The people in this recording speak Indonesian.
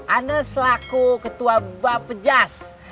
ana selaku ketua bapejas